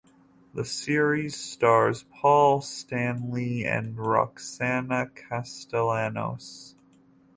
The series stars Paul Stanley and Roxana Castellanos.